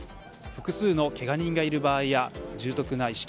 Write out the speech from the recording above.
複数のけが人がいる場合や重篤な意識